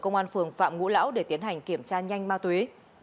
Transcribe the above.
công an phường phạm ngũ lão để tiến hành kiểm tra nhanh ma túy